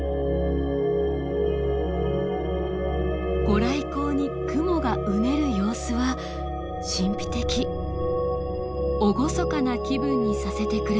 御来光に雲がうねる様子は神秘的厳かな気分にさせてくれます。